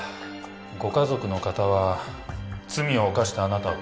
ご家族の方は罪を犯したあなたを